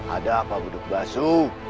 ada apa buduk basu